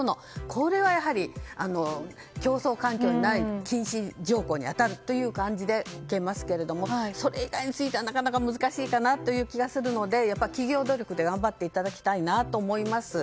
これはやはり、競争環境にない禁止条項に当たるという感じで受けますけどそれ以外については、なかなか難しいかなという気がするのでやっぱり企業努力で頑張っていただきたいと思います。